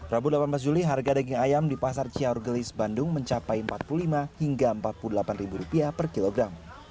rabu delapan belas juli harga daging ayam di pasar ciaurgelis bandung mencapai empat puluh lima hingga empat puluh delapan ribu rupiah per kilogram